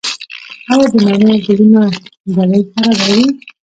آیا د مڼو ګلونه ږلۍ خرابوي؟